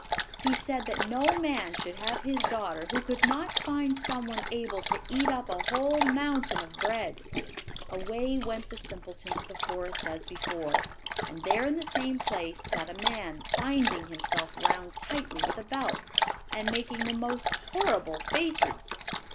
He said that no man should have his daughter who could not find someone able to eat up a whole mountain of bread. Away went the simpleton to the forest as before, and there in the same place sat a man binding himself round tightly with a belt, and making the most horrible faces.